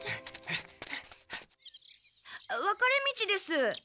分かれ道です。